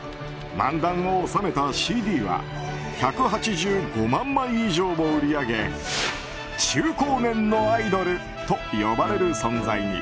漫談を収めたＣＤは１８５万枚以上も売り上げ中高年のアイドルと呼ばれる存在に。